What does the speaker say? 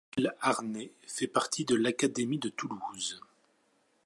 L'Isle-Arné fait partie de l'académie de Toulouse.